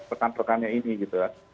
rekan rekannya ini gitu ya